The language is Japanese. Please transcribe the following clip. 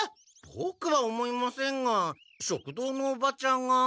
ボクは思いませんが食堂のおばちゃんが。